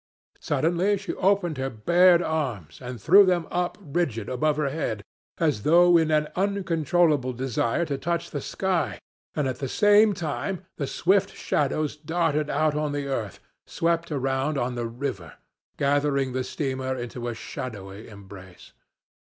Suddenly she opened her bared arms and threw them up rigid above her head, as though in an uncontrollable desire to touch the sky, and at the same time the swift shadows darted out on the earth, swept around on the river, gathering the steamer into a shadowy embrace.